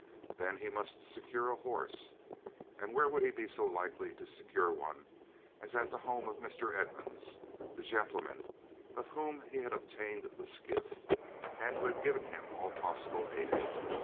Then he must secure a horse, and where would he be so likely to secure one as at the home of Mr. Edmunds, the gentleman of whom he had obtained the skiff, and who had given him all possible aid?